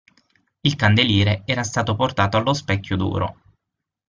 Il candeliere era stato portato allo Specchio d'Oro.